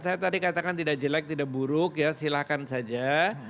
saya tadi katakan tidak jelek tidak buruk ya silakan saja